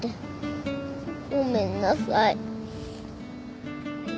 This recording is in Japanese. ごめんなさい。